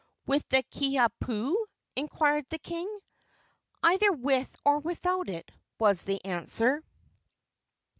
"With the Kiha pu?" inquired the king. "Either with or without it," was the answer.